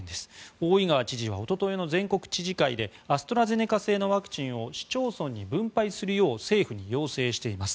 大井川知事はおとといの全国知事会でアストラゼネカ製のワクチンを市町村に分配するよう政府に要請しています。